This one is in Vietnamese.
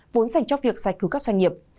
vốn dành cho việc giải cứu các doanh nghiệp